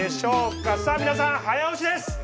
さあ皆さん早押しです！